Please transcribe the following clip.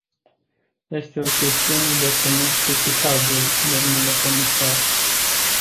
Este o chestiune de comerț echitabil, domnule comisar.